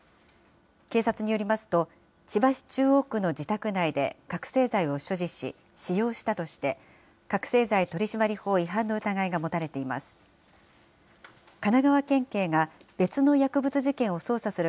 警察によりますと、千葉市中央区の自宅内で覚醒剤を所持し、使用したとして、覚醒剤取締法違反の疑いが持たれています。